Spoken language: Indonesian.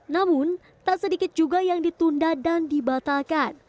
namun tak sedikit juga yang ditunda dan dibatalkan